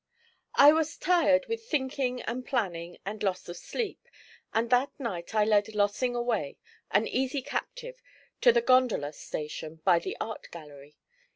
I was tired with thinking and planning and loss of sleep, and that night I led Lossing away, an easy captive, to the gondola station by the Art Gallery.